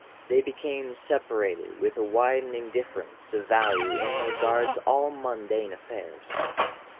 They became separated with a widening difference of value in regard to all mundane affairs.